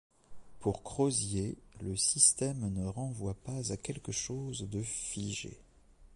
Pour Crozier, le système ne renvoie pas à quelque chose de figé.